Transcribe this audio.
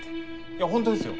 いや本当ですよ？